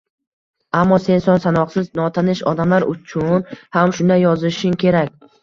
Ammo sen son-sanoqsiz notanish odamlar uchun ham shunday yozishing kerak